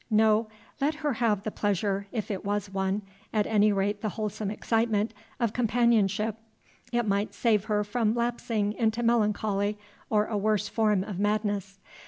No, let her have the pleasure, if it was one, at any rate the wholesome excitement, of companionship; it might save her from lapsing into melancholy or a worse form of madness.